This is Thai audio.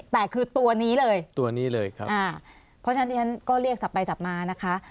แต่คือตัวนี้เลยตัวนี้เลยครับอ่าเพราะฉะนั้นที่ฉันก็เรียกสับไปสับมานะคะ